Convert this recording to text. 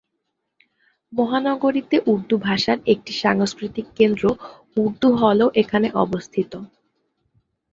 মহানগরীতে উর্দু ভাষার একটি সাংস্কৃতিক কেন্দ্র, "উর্দু হল"ও এখানে অবস্থিত।